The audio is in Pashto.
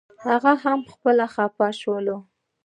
هغوی هم خپه شول.